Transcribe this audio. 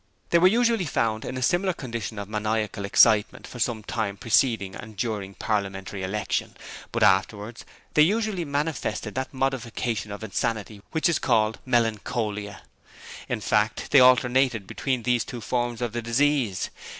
They were usually found in a similar condition of maniacal excitement for some time preceding and during a Parliamentary election, but afterwards they usually manifested that modification of insanity which is called melancholia. In fact they alternated between these two forms of the disease.